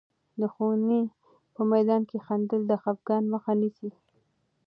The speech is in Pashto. د ښوونې په میدان کې خندل، د خفګان مخه نیسي.